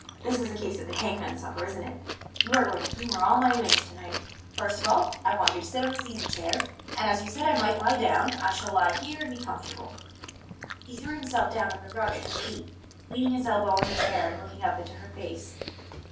This is a case of the hangman's supper, isn't it? You are going to humour all my whims to night. First of all, I want you to sit on this easy chair, and, as you said I might lie down, I shall lie here and be comfortable." He threw himself down on the rug at her feet, leaning his elbow on the chair and looking up into her face.